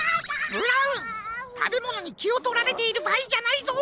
ブラウンたべものにきをとられているばあいじゃないぞ！